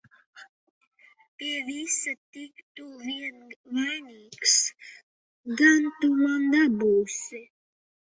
Pie visa tik tu vien vainīgs! Gan tu man dabūsi!